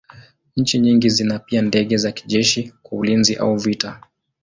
Nchi nyingi zina pia ndege za kijeshi kwa ulinzi au vita.